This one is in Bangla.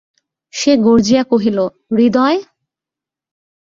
সে গর্জিয়া কহিল, হৃদয়!